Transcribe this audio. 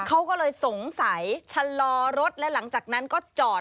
เขาก็เลยสงสัยชะลอรถและหลังจากนั้นก็จอด